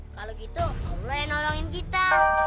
kalau gitu allah yang nolongin kita